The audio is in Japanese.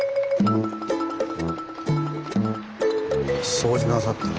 掃除なさってる。